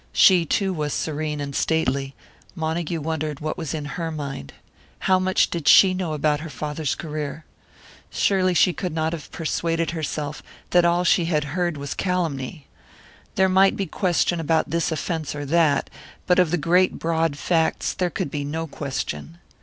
She, too, was serene and stately; Montague wondered what was in her mind. How much did she know about her father's career? Surely she could not have persuaded herself that all that she had heard was calumny. There might be question about this offence or that, but of the great broad facts there could be no question.